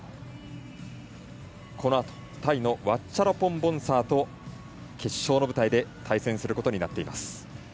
このあとタイのワッチャラポン・ボンサーと決勝の舞台で対戦することになっています。